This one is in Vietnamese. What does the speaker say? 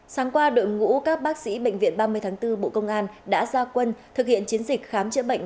sáng qua đội ngũ các bác sĩ bệnh viện ba mươi tháng bốn bộ công an đã ra quân thực hiện chiến dịch khám chữa bệnh